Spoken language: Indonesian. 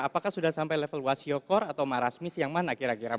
apakah sudah sampai level wasiokor atau marasmis yang mana kira kira